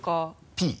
「Ｐ」？